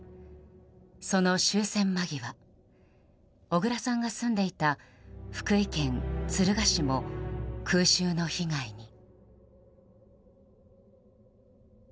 その終戦間際小倉さんが住んでいた福井県敦賀市も空襲の被害に。